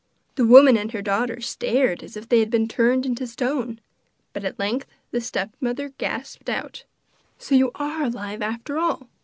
The woman and her daughter stared as if they had been turned into stone; but at length the stepmother gasped out: 'So you are alive after all!